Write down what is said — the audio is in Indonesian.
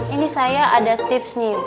ini saya ada tips nih